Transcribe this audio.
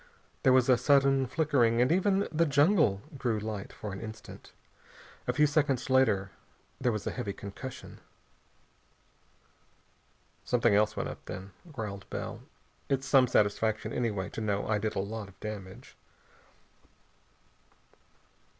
There was a sudden flickering and even the jungle grew light for an instant. A few seconds later there was a heavy concussion. "Something else went up then," growled Bell. "It's some satisfaction, anyway, to know I did a lot of damage."